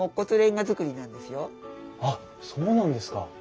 あっそうなんですか。